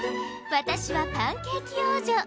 私はパンケーキ王女！